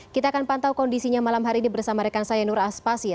kita akan pantau kondisinya malam hari ini bersama rekan saya nur aspasya